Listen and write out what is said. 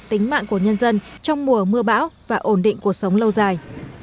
tính mạng của nhân dân trong mùa mưa bão và ổn định cuộc sống lâu dài